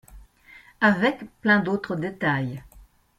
Avec plein d'autres détails.